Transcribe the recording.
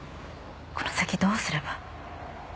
この先どうすれば。